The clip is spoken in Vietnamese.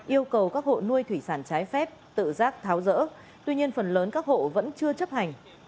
yêu cầu các hộ nuôi thủy sản trái phép tự giác tháo rỡ tuy nhiên phần lớn các hộ vẫn chưa chấp hành